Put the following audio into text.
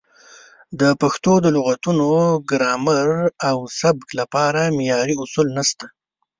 د پښتو د لغتونو، ګرامر او سبک لپاره معیاري اصول نشته.